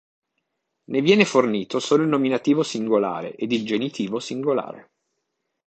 Ne viene fornito solo il nominativo singolare ed il genitivo singolare.